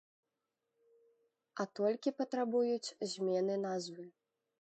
А толькі патрабуюць змены назвы.